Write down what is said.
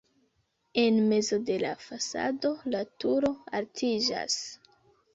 En mezo de la fasado la turo altiĝas.